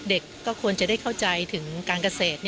เด็กก็ควรจะได้เข้าใจถึงการเกษตร